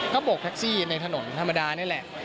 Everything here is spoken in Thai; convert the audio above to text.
ก็โบกแท็กซี่ในถนนธรรมดานี่แหละ